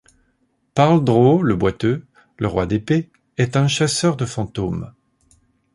Parl Dro, le boiteux, le roi d'épée, est un chasseur de fantôme.